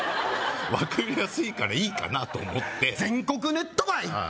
分かりやすいからいいかなと思って全国ネットばいああ